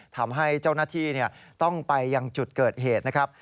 ทำให้เจ้าหน้าที่ต้องไปยังจุดเกิดเหตุนะครับ